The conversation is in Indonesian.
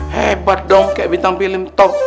hebat dong kayak bintang film top